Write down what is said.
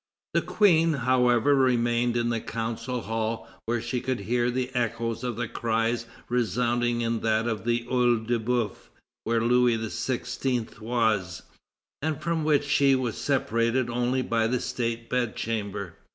The Queen, however, remained in the Council Hall, where she could hear the echo of the cries resounding in that of the OEil de Boeuf, where Louis XVI. was, and from which she was separated only by the State Bedchamber.